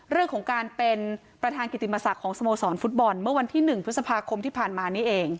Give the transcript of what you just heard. เรื่องของการเป็นประธานกิติมศักดิ์ของสโมสรฟุตบอลเมื่อวันที่๑พฤษภาคมที่ผ่านมานี้เอง